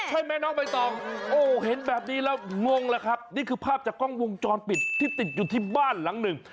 ใช่ไหมน้องใบตองโอ้เห็นแบบนี้แล้วงงแล้วครับนี่คือภาพจากกล้องวงจรปิดที่ติดอยู่ที่บ้านหลังหนึ่ง